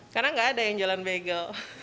karena nggak ada yang jualan bagel